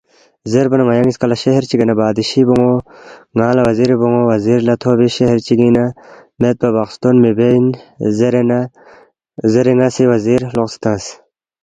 ‘ زیربا نہ ن٘ا سی ن٘یانگ نِ٘یسکا لہ شہر چِگِنگ نہ بادشی بون٘و ن٘انگ لہ وزیری بون٘و وزیر لہ تھوبی شہر چِگِنگ نہ میدپا بخستون مِہ بے اِن زیرے ن٘ا سی وزیر لزوقسے تنگس